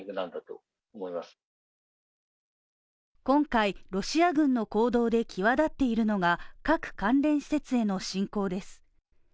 今回、ロシア軍の行動で際立っているのが各関連施設への侵攻です。